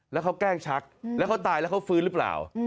แล้วเขาแกล้งชักแล้วเขาตายแล้วเขาฟื้นหรือเปล่า